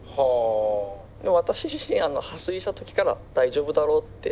私自身破水した時から大丈夫だろうって。